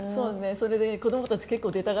それで子どもたち結構出たがるんですよ。